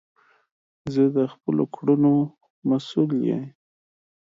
زه د خپلو کړونو مسول یی